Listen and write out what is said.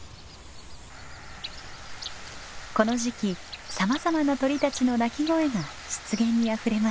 この時期さまざまな鳥たちの鳴き声が湿原にあふれます。